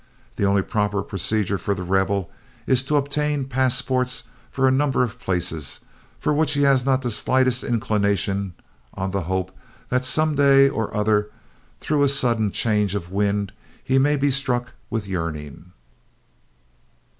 The only proper procedure for the rebel is to obtain passports for a number of places for which he has not the slightest inclination on the hope that some day or other through a sudden change of wind he may be struck with yearning.